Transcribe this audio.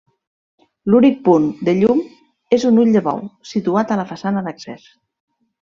L'únic punt de llum és un ull de bou situat a la façana d'accés.